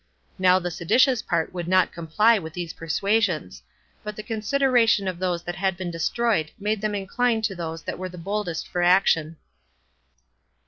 Now the seditious part would not comply with these persuasions; but the consideration of those that had been destroyed made them incline to those that were the boldest for action.